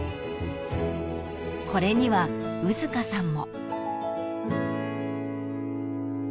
［これには兎束さんも］